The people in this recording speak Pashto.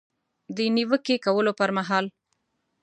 د نیوکې کولو پر مهال